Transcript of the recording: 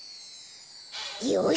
よし！